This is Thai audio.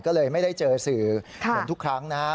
ก็เลยไม่ได้เจอสื่อเหมือนทุกครั้งนะฮะ